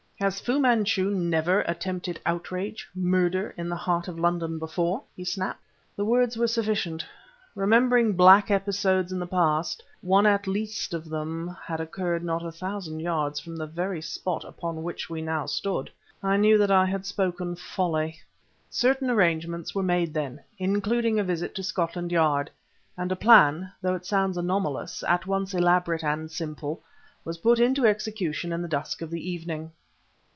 "Has Fu Manchu never attempted outrage, murder, in the heart of London before?" he snapped. The words were sufficient. Remembering black episodes of the past (one at least of them had occurred not a thousand yards from the very spot upon which we now stood), I knew that I had spoken folly. Certain arrangements were made then, including a visit to Scotland Yard; and a plan though it sounds anomalous at once elaborate and simple, was put into execution in the dusk of the evening.